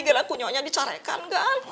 gila kunyonya dicarekan kan